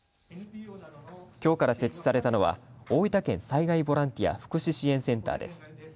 きょうから設置されたのは大分県災害ボランティア・福祉支援センターです。